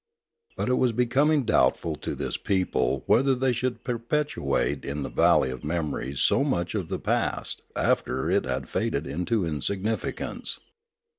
But it was becoming doubtful to this people whether they should perpetuate in the valley of memories so much of the past after it had faded into insignificance.